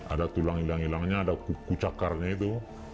ada tulang hilang hilangnya ada kukucakarnya itu